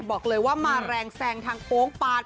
บอกเลยว่ามาแรงแซงทางโค้งปาด